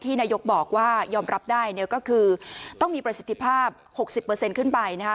นายกบอกว่ายอมรับได้เนี่ยก็คือต้องมีประสิทธิภาพ๖๐ขึ้นไปนะคะ